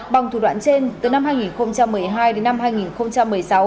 bằng thủ đoạn trên từ năm hai nghìn một mươi hai đến năm hai nghìn một mươi sáu